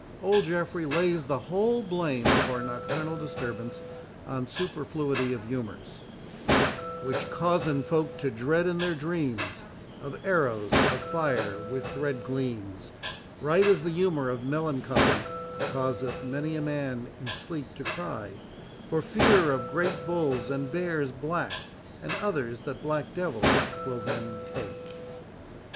Old Geoffrey lays the whole blame of our nocturnal disturbance on superfluity of humours, 'Which causen folk to dred in their dreams Of arrowes, and of fire with red gleams, Right as the humour of melancholy Causeth many a man in sleep to cry For fear of great bulls and bears black, And others that black devils will them take.